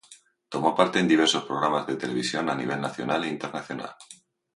Tomó parte en diversos programas de televisión a nivel nacional e internacional.